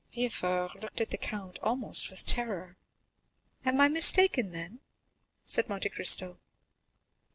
Villefort looked at the count almost with terror. "Am I mistaken, then?" said Monte Cristo.